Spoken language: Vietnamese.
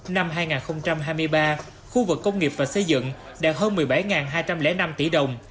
năm hai nghìn hai mươi ba khu vực công nghiệp và xây dựng đạt hơn một mươi bảy hai trăm linh năm tỷ đồng